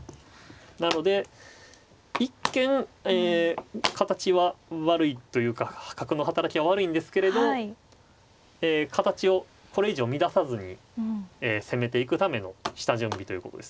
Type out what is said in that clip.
なので一見形は悪いというか角の働きは悪いんですけれど形をこれ以上乱さずに攻めていくための下準備ということですね。